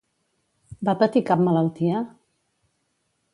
Va patir cap malaltia?